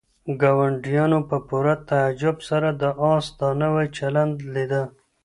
ګاونډیانو په پوره تعجب سره د آس دا نوی چلند لیده.